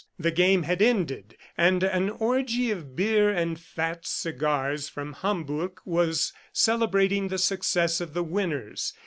The game had ended, and an orgy of beer and fat cigars from Hamburg was celebrating the success of the winners.